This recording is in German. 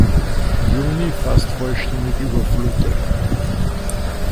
Juni fast vollständig überflutet.